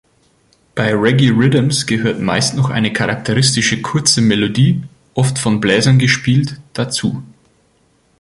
Bei Reggae-Riddims gehört meist noch eine charakteristische kurze Melodie, oft von Bläsern gespielt, dazu.